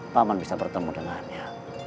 paman bisa bertemu dengannya